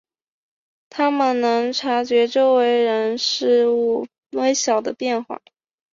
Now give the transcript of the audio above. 他们能察觉周围人事物微小的变化。